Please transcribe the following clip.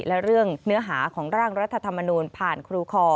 และเรื่องเนื้อหาของร่างรัฐธรรมนูญผ่านครูคอ